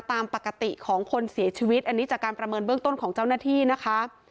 ตามปกติของคนเสียชีวิตอันนี้จากการประเมินเบื้องต้นของเจ้าหน้าที่นะคะ